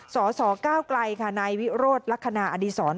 สสก้าวไกลค่ะนายวิโรธลักษณะอดีศร